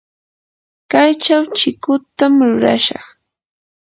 kaychaw chikutam rurashaq.